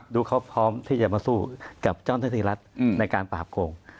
ดูเขาพร้อมที่จะมาสู้กับเจ้าหน้าที่รัฐในการปราบโกง